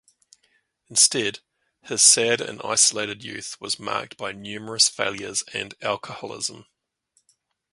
Instead, his sad and isolated youth was marked by numerous failures and alcoholism.